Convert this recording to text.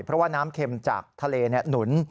เพราะว่าน้ำเข็มจากทะเลหนุน